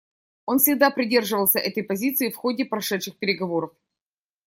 Он всегда придерживался этой позиции в ходе прошедших переговоров.